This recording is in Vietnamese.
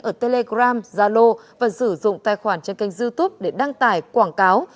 ở telegram zalo và sử dụng tài khoản trên kênh youtube để đăng tải quảng cáo